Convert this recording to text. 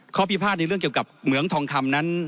ข้อพิพาทในเรื่องเกี่ยวกับเหมืองทองคำนั้น